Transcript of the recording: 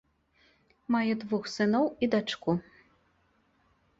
Мае двух сыноў і дачку.